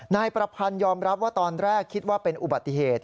นายประพันธ์ยอมรับว่าตอนแรกคิดว่าเป็นอุบัติเหตุ